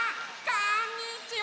こんにちは。